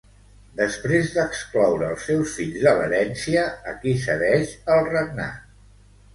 Després d'excloure els seus fills de l'herència, a qui cedeix el regnat?